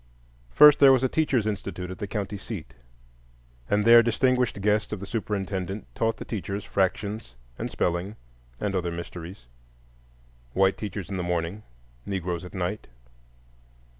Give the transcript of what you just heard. First, there was a Teachers' Institute at the county seat; and there distinguished guests of the superintendent taught the teachers fractions and spelling and other mysteries,—white teachers in the morning, Negroes at night.